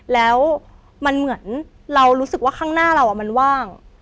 แล้วมันเหมือนเรารู้สึกว่าข้างหน้าเรามันว่าง